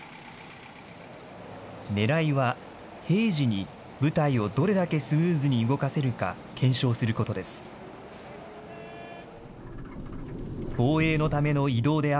ねらいは平時に部隊をどれだけスムーズに動かせるか、検証することです。